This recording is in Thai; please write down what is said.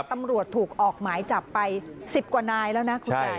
ตำรวจถูกออกหมายจับไป๑๐กว่านายแล้วนะคุณยาย